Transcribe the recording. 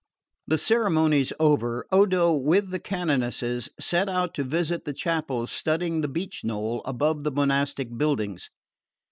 The ceremonies over, Odo, with the canonesses, set out to visit the chapels studding the beech knoll above the monastic buildings.